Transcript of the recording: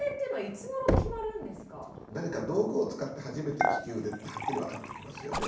何か道具を使って初めて利き腕ってはっきり分かってきますよね。